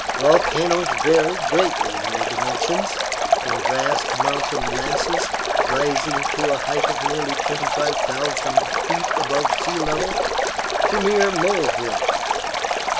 Volcanoes vary greatly in their dimensions, from vast mountain masses, rising to a height of nearly 25,000 feet above sea level, to mere molehills.